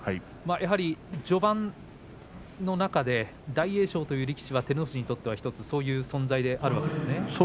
やはり序盤の中で大栄翔という力士が照ノ富士にとってそういう存在になるわけですね。